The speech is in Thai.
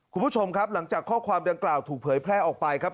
คุณผู้ชมครับหลังจากข้อความดังกล่าวถูกเผยแพร่ออกไปครับ